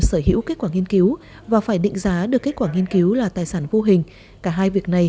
sở hữu kết quả nghiên cứu và phải định giá được kết quả nghiên cứu là tài sản vô hình cả hai việc này